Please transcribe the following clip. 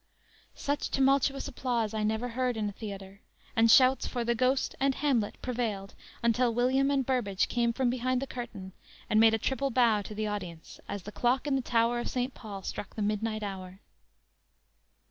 "_ Such tumultuous applause I never heard in a theatre, and shouts for "The Ghost" and "Hamlet" prevailed until William and Burbage came from behind the curtain and made a triple bow to the audience as the clock in the tower of Saint Paul struck the midnight hour.